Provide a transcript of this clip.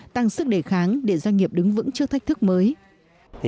tăng sức đề kháng để doanh nghiệp đứng vững trước thách thức mới